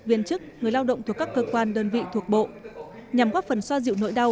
viên chức người lao động thuộc các cơ quan đơn vị thuộc bộ